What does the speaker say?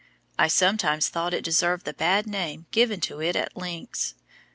I sometimes thought it deserved the bad name given to it at Link's.